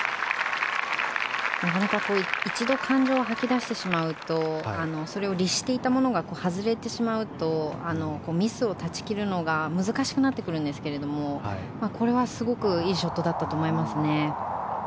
なかなか一度感情を吐き出してしまうとそれを律していたものが外れてしまうとミスを断ち切るのが難しくなってくるんですけどもこれはすごくいいショットだったと思いますね。